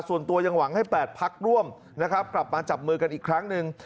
ส่วนตัวยังหวังให้๘พักร่วมนะครับกลับมาจับมือกันอีกครั้งหนึ่ง